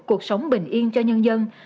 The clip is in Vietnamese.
cuộc sống bình yên cho nhân dân